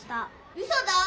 うそだ！